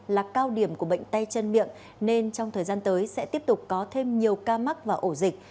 là cao điểm của bệnh tay chân miệng nên trong thời gian tới sẽ tiếp tục có thêm nhiều ca mắc và ổ dịch